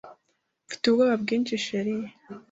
mfite ubwoba bwinshi sheri